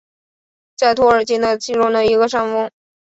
在托尔金的其中一个山峰。